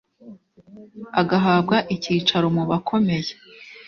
agahabwa icyicaro mu bakomeye